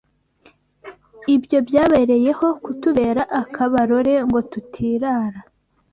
Ibyo byababereyeho kutubera akabarore ngo tutirara